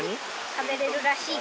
食べられるらしい。